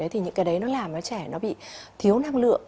thì những cái đấy nó làm cho trẻ nó bị thiếu năng lượng